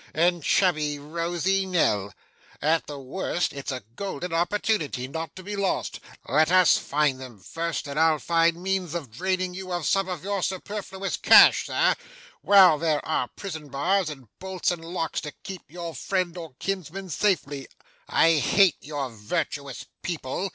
and chubby, rosy Nell. At the worst, it's a golden opportunity, not to be lost. Let us find them first, and I'll find means of draining you of some of your superfluous cash, sir, while there are prison bars, and bolts, and locks, to keep your friend or kinsman safely. I hate your virtuous people!